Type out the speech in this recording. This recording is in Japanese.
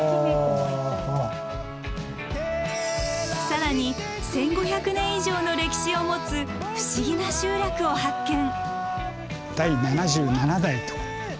更に１，５００年以上の歴史を持つ不思議な集落を発見。